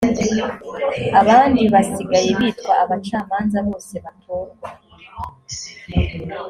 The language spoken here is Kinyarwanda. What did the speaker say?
abandi basigaye bitwa abacamanza bose batorwa